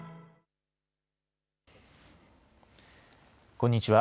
こんにちは。